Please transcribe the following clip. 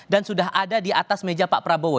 dan sudah ada di atas meja pak prabowo